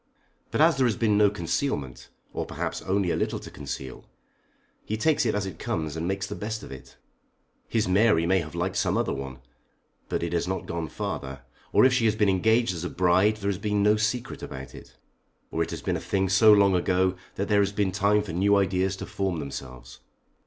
But as there has been no concealment, or perhaps only a little to conceal, he takes it as it comes and makes the best of it. His Mary may have liked some other one, but it has not gone farther. Or if she has been engaged as a bride there has been no secret about it. Or it has been a thing long ago so that there has been time for new ideas to form themselves.